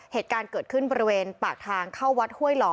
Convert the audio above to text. เหตุการณ์เกิดขึ้นบริเวณปากทางเข้าวัดห้วยหล่อ